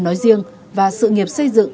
nói riêng và sự nghiệp xây dựng